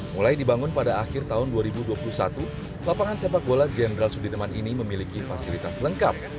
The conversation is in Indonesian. mulai dibangun pada akhir tahun dua ribu dua puluh satu lapangan sepak bola jenderal sudirman ini memiliki fasilitas lengkap